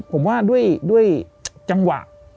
ผมว่าด้วยจังหวะ